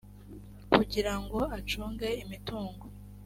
kugira ngo acunge imitungo